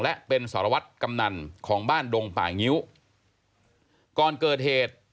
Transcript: และเป็นสารวัตรกำนันของบ้านดงป่างิ้วก่อนเกิดเหตุ